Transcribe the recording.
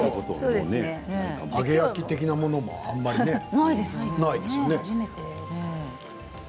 揚げ焼き的なものもあまりないですよね。